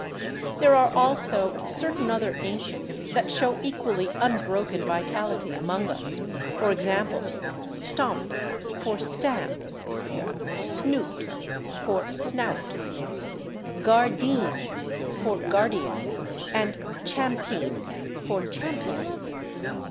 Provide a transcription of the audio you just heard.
There are also certain other ancients that show equally unbroken vitality among us, for example, /stomp/ for /stamp/, /snoot/ for /snout/, /guardeen/ for /guardian/, and /champeen/ for /champion